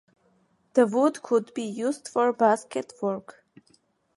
The wood could be used for basket work.